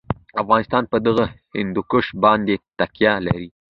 افغانستان په دغه هندوکش باندې تکیه لري.